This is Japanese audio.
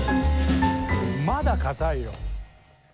まだ硬い。